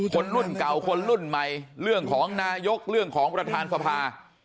คนรุ่นเก่าคนรุ่นใหม่เรื่องของนายกเรื่องของประธานสภา